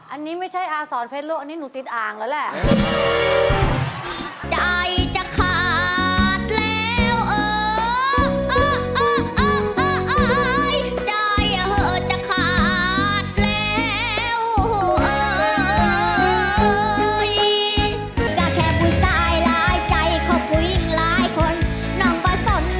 อันนี้ไม่ใช่อาสอนเฟซบุ๊คอันนี้หนูติดอ่างแล้วแหละ